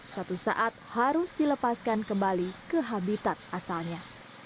suatu saat harus dilepaskan kembali ke habitat asalnya